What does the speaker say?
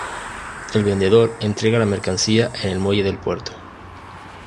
El vendedor entrega la mercancía en el muelle del puerto.